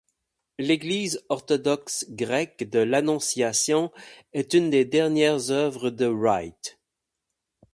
L'église orthodoxe grecque de l'Annonciation est une des dernières œuvres de Wright.